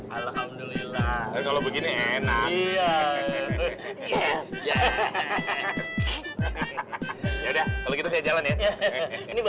alhamdulillah kalau begini enak